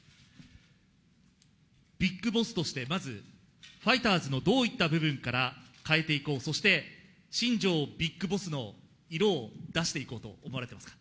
ビッグボスとしてまず、ファイターズのどういった部分から変えていこう、そして新庄ビッグボスの色を出していこうと思われていますか。